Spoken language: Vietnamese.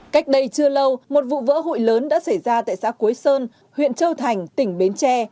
cách đây chưa lâu một vụ vỡ hội lớn đã xảy ra tại xã quế sơn huyện châu thành tỉnh bến tre